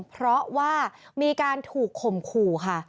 เพราะว่ามีการถูกข่มขู่ค่ะ